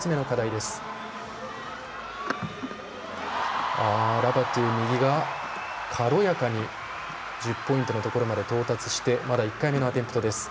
右のラバトゥ、軽やかに１０ポイントのところに到達してまだ１回目のアテンプトです。